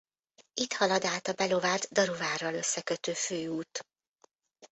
Itt halad át a Belovárt Daruvárral összekötő főút.